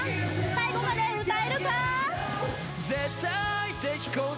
最後まで歌えるか？